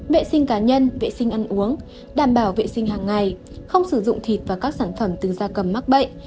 vệ sinh cá nhân vệ sinh ăn uống đảm bảo vệ sinh hàng ngày không sử dụng thịt và các sản phẩm từ da cầm mắc bệnh